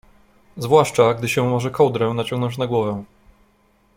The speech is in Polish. zwłaszcza, gdy się może kołdrę naciągnąć na głowę.